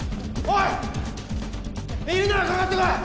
いるならかかってこい！